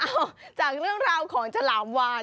จากเรื่องราวของฉลามวาน